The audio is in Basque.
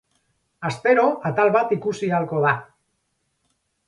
Astero atal bat ikusi ahalko da.